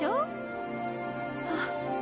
あっ。